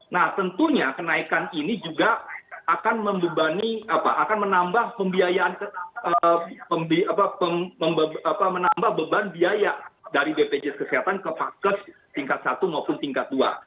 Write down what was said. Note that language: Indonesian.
nah tentunya kenaikan ini juga akan membebani akan menambah beban biaya dari bpjs kesehatan ke vaskes tingkat satu maupun tingkat dua